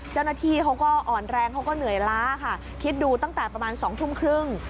เจ้าหน้าที่เขาก็อ่อนแรงเขาก็เหนื่อยล้าค่ะคิดดูตั้งแต่ประมาณ๒ทุ่มครึ่ง